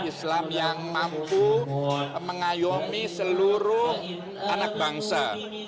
islam yang mampu mengayomi seluruh anak bangsa